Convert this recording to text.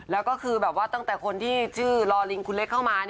แล้วก็คือแบบว่าตั้งแต่คนที่ชื่อลอลิงคุณเล็กเข้ามา